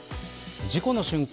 事故の瞬間